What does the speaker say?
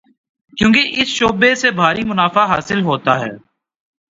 کیونکہ اس شعبے سے بھاری منافع حاصل ہوتا ہے۔